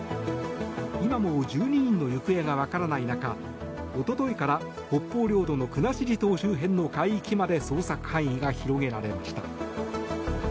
今も１２人の行方がわからない中おとといから北方領土の国後島周辺の海域まで捜索範囲が広げられました。